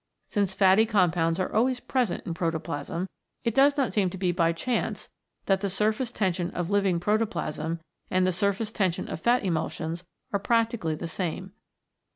Since fatty compounds are always present in protoplasm, it does not seem to be by chance that the surface tension of living protoplasm and the surface tension of fat emulsions are practically the same.